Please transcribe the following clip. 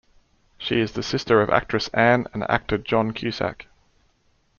She is the sister of actress Ann and actor John Cusack.